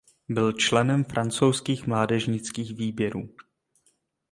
Byl členem francouzských mládežnických výběrů.